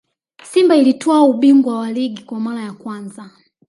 simba ilitwaa ubingwa wa ligi kwa mara ya kwanza